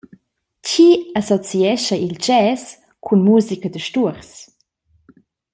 Tgi associescha il jazz cun musica da stuors?